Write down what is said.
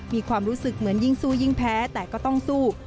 มีความรู้สึกเหมือนยิ่งสู้ยิ่งแพ้แต่ก็ต้องสู้